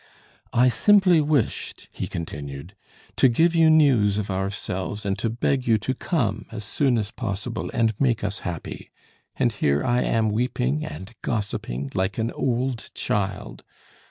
"I simply wished," he continued, "to give you news of ourselves, and to beg you to come as soon as possible and make us happy. And here I am weeping and gossiping like an old child.